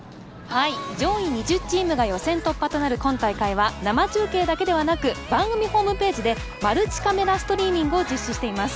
上位２０チームが予選突破となる今大会は生中継だけではなく番組ホームページでマルチカメラストリーミングを実施しています。